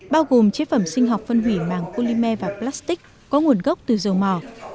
bao gồm chế phẩm sinh học phân hủy màng polymer và plastic có nguồn gốc từ dầu mỏ